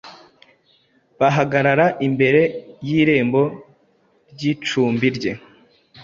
bahagarara imbere y’irembo ry’icumbi rye.